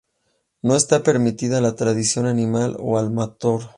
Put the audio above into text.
No está permitida la tracción animal o a motor.